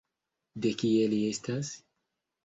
De kie li estas?